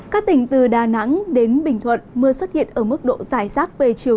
các tỉnh từ đà nẵng đến bình thuận mưa xuất hiện ở mức độ giải rác